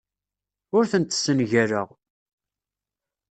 Ur tent-ssengaleɣ.